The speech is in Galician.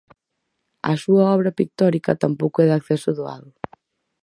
A súa obra pictórica tampouco é de acceso doado.